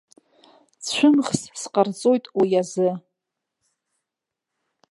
Цәымӷс сҟарҵоит уи азы.